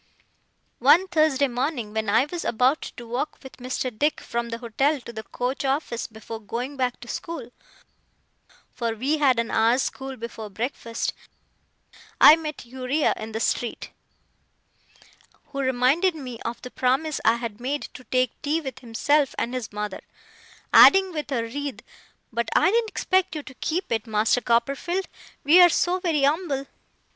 One Thursday morning, when I was about to walk with Mr. Dick from the hotel to the coach office before going back to school (for we had an hour's school before breakfast), I met Uriah in the street, who reminded me of the promise I had made to take tea with himself and his mother: adding, with a writhe, 'But I didn't expect you to keep it, Master Copperfield, we're so very umble.